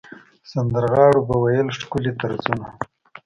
سندرغاړو به ویل ښکلي طرزونه.